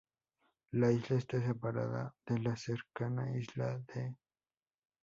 La isla está separada de la cercana isla de St.